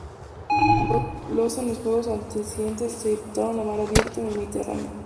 Los en los juegos atenienses se disputaron a mar abierto, en el Mediterráneo.